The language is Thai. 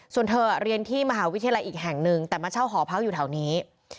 ส่วนเธอเรียนที่มหาวิทยาลัยอีกแห่งหนึ่งแต่มาเช่าหอพักอยู่แถวนี้